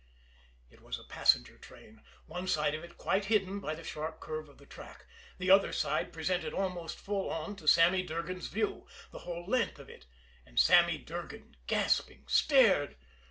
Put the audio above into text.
It was a passenger train; one side of it quite hidden by the sharp curve of the track, the other side presented almost full on to Sammy Durgan's view the whole length of it. And Sammy Durgan, gasping, stared.